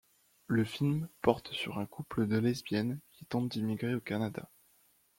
Le film porte sur un couple de lesbiennes qui tente d'immigrer au Canada.